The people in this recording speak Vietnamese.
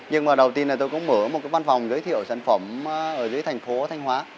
nhưng mà đầu tiên là tôi cũng mở một cái văn phòng giới thiệu sản phẩm ở dưới thành phố thanh hóa